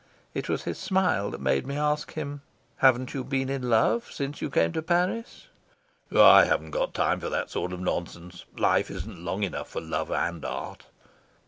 It was his smile that made me ask him: "Haven't you been in love since you came to Paris?" "I haven't got time for that sort of nonsense. Life isn't long enough for love and art."